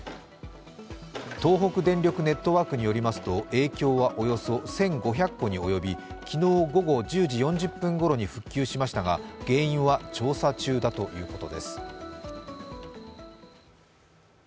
東北電力ネットワークによりますと影響はおよそ１５００戸におよび昨日午後１０時４０分ごろに復旧しましたが原因は調査中だということです。